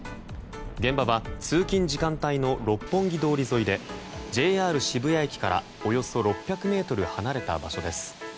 現場は通勤時間帯の六本木通り沿いでＪＲ渋谷駅からおよそ６００ｍ離れた場所です。